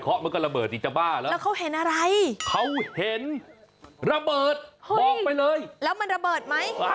แล้วมันระเบิดไหม